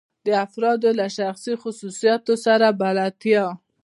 د افرادو له شخصي خصوصیاتو سره بلدیت.